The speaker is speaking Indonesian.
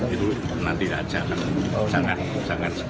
itu nanti aja jangan